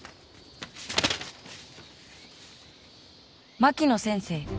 「槙野先生